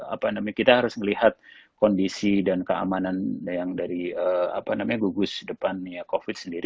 apa namanya kita harus melihat kondisi dan keamanan yang dari apa namanya gugus depannya covid sembilan belas